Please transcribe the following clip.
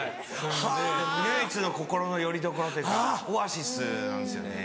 でも唯一の心のよりどころというかオアシスなんですよね。